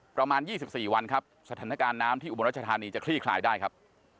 ประมาณ๒๔วันครับสถานการณ์น้ำที่อุบลรัชธานีจะคลี่คลายได้ครับ